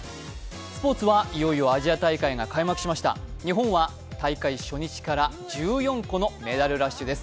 スポーツはいよいよアジア大会が開幕しました日本は大会初日から１４個のメダルラッシュです